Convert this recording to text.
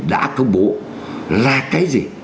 đã công bố là cái gì